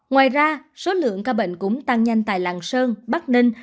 ngoài ra số lượng ca bệnh cũng tăng nhanh tại lạng sơn bắc ninh